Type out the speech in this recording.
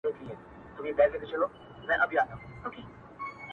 هغه بورا وي همېشه خپله سینه څیرلې-